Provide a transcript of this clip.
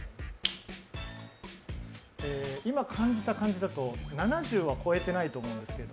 今感じた感じだと７０は超えてないと思うんですけど。